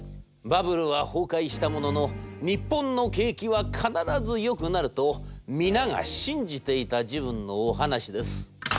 バブルは崩壊したものの日本の景気は必ずよくなると皆が信じていた時分のお話です。